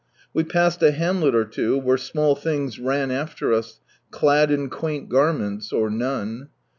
We passed a hamlet or two, where small things ran after us, clad in quaint garments, — or none.